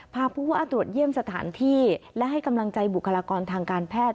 พาผู้ว่าตรวจเยี่ยมสถานที่และให้กำลังใจบุคลากรทางการแพทย์